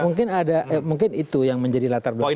mungkin ada mungkin itu yang menjadi latar belakang